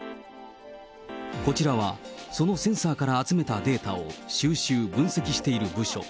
こちらはそのセンサーから集めたデータを収集、分析している部署。